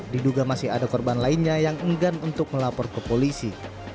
diduga masih ada korban lainnya yang enggan untuk melapor ke polisi